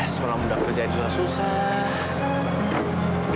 semalam udah kerjain susah susah